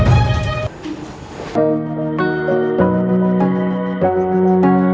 apa yang ku rasakan